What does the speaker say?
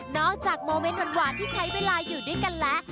อกจากโมเมนต์หวานที่ใช้เวลาอยู่ด้วยกันแล้ว